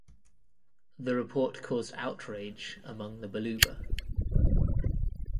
The report caused outrage among the Baluba.